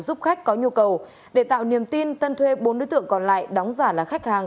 giúp khách có nhu cầu để tạo niềm tin tân thuê bốn đối tượng còn lại đóng giả là khách hàng